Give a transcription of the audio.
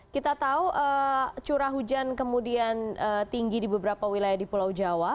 kita tahu curah hujan kemudian tinggi di beberapa wilayah di pulau jawa